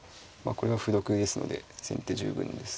これが歩得ですので先手十分です。